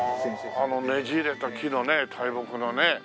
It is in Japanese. あのねじれた木のね大木のね。